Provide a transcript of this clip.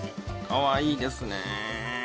かわいいですね。